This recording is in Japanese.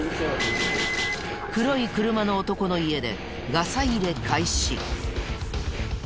黒い車の男の家でガサ入れ開始。